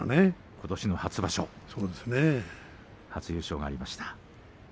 ことしの初場所初優勝がありました。